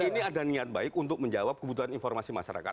ini ada niat baik untuk menjawab kebutuhan informasi masyarakat